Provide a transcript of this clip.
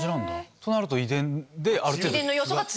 となると遺伝である程度。